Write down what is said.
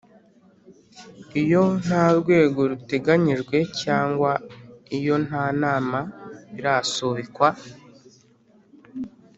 Iyo nta rwego ruteganyijwe cyangwa iyo nta nama birasubikwa